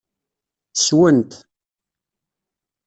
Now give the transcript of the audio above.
Sswen-t.